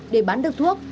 để bán được thuốc